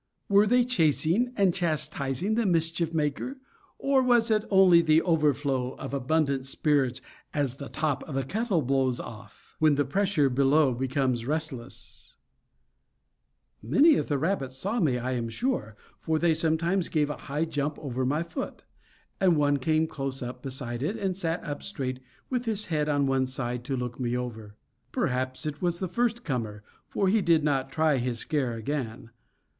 Were they chasing and chastising the mischief maker, or was it only the overflow of abundant spirits as the top of a kettle blows off when the pressure below becomes resistless? Many of the rabbits saw me, I am sure, for they sometimes gave a high jump over my foot; and one came close up beside it, and sat up straight with his head on one side, to look me over. Perhaps it was the first comer, for he did not try his scare again.